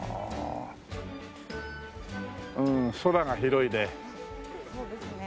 うん空が広いね。